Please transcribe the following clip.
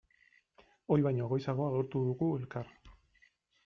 Ohi baino goizago agurtu dugu elkar.